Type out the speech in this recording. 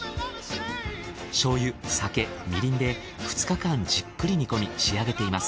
醤油酒みりんで２日間じっくり煮込み仕上げています。